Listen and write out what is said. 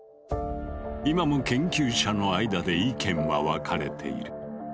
今も研究者の間で意見は分かれている。